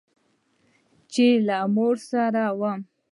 چې له مور سره وم.